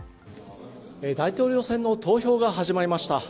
大統領選の投票が始まりました。